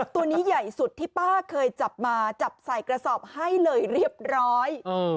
ตัวนี้ใหญ่สุดที่ป้าเคยจับมาจับใส่กระสอบให้เลยเรียบร้อย